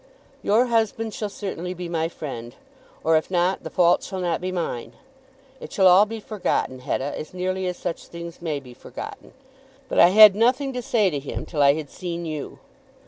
"Your husband shall certainly be my friend; or, if not, the fault shall not be mine. It shall all be forgotten, Hetta, as nearly as such things may be forgotten. But I had nothing to say to him till I had seen you."